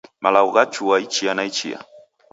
Malagho ghachua ichia na ichia